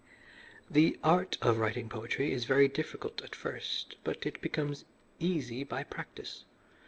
"The art of writing poetry is very difficult at first, but it becomes easy by practice.